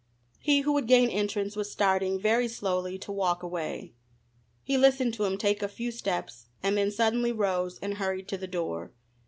He who would gain entrance was starting, very slowly, to walk away. He listened to him take a few steps, and then suddenly rose and hurried to the door.